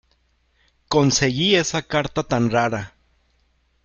Conseguí esa carta tan rara.